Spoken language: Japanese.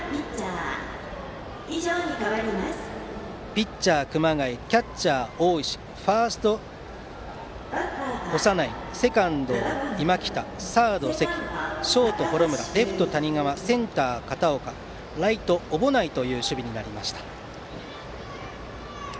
ピッチャー、熊谷キャッチャーは大石ファースト、長内セカンド、今北サード、関ショート、幌村レフト、谷川センター、片岡ライト、小保内という守備になりました。